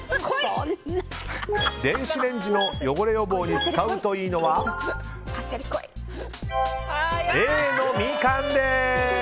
電子レンジの汚れ予防に使うといいのはＡのミカンです。